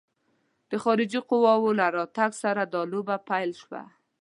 د خارجي قواوو له راتګ سره دا لوبه پیل شوه.